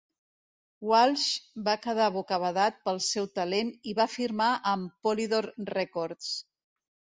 Walsh va quedar bocabadat pel seu talent i va firmar amb Polydor Records.